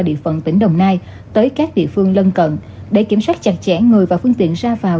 địa phận tỉnh đồng nai tới các địa phương lân cận để kiểm soát chặt chẽ người và phương tiện ra vào